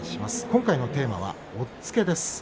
今回のテーマは、押っつけです。